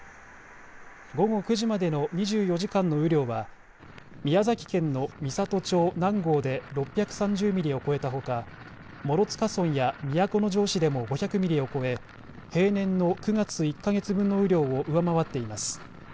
午後９時までの２４時間の雨量は宮崎県の美郷町南郷で６３０ミリを超えたほか諸塚村や都城市でも５００ミリを超え平年の９月１か月分の雨量を上回っています。